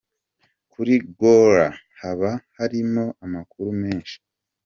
Kuri Goora haba harimo amakuru menshi,.